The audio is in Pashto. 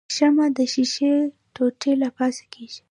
شمع د ښيښې ټوټې له پاسه کیږدئ.